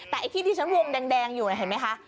แต่ไอ้ที่ที่ฉันวงแดงอยู่เห็นไหมคะ